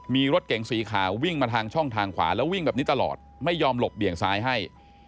มีรถเก๋งสีขาววิ่งมาทางช่องทางขวาแล้ววิ่งแบบนี้ตลอดไม่ยอมหลบเบี่ยงซ้ายให้